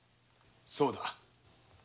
そうだ！